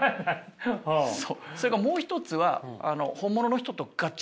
それからもう一つはえ！